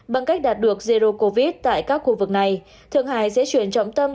bằng cách đạt được zero covid tại các khu vực này thượng hải sẽ chuyển trọng tâm